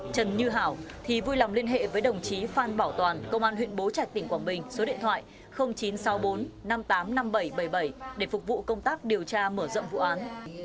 trần như hảo thì vui lòng liên hệ với đồng chí phan bảo toàn công an huyện bố trạch tỉnh quảng bình số điện thoại chín trăm sáu mươi bốn năm mươi tám năm nghìn bảy trăm bảy mươi bảy để phục vụ công tác điều tra mở rộng vụ án